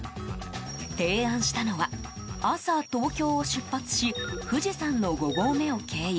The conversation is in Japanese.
提案したのは朝、東京を出発し富士山の５合目を経由